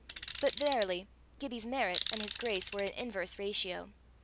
But verily Gibbie's merit and his grace were in inverse ratio.